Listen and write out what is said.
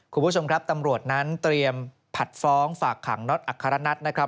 คุณผู้ชมครับตำรวจนั้นเตรียมผัดฟ้องฝากขังน็อตอัครนัทนะครับ